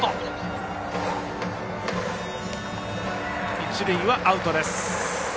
一塁はアウトです。